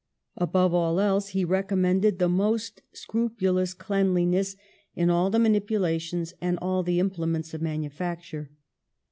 Above all else, he recommended the most scrupulous cleanli ness in all the manipulations and all the imple ments of manufacture.